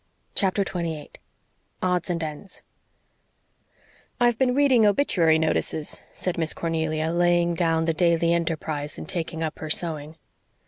CHAPTER 28 ODDS AND ENDS "I've been reading obituary notices," said Miss Cornelia, laying down the Daily Enterprise and taking up her sewing.